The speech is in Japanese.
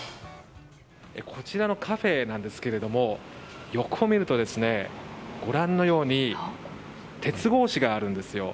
こちらのカフェですが横を見るとご覧のように鉄格子があるんですよ。